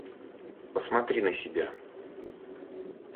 Посмотри на себя.